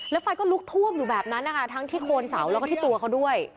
แล้วไฟก็ลุกท่วมอยู่แบบนั้นนะคะทั้งที่โคนเสาแล้วก็ที่ตัวเขาด้วย